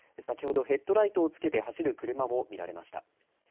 先ほどヘッドライトをつけて走る車も見られました。